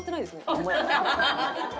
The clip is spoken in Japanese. ホンマや。